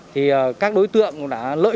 thì các đối tượng cũng đã lợi